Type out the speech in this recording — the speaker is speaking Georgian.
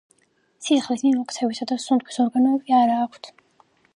სისხლის მიმოქცევისა და სუნთქვის ორგანოები არა აქვთ.